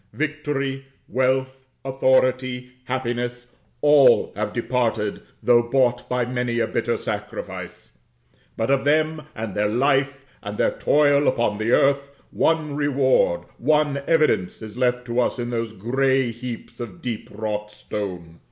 Victory, wealth, authority, happiness all have departed, though bought by many a bitter sacrifice. But of them, and their life, and their toil upon the earth, one reward, one evidence, is left to us in those gray heaps of deep wrought stone.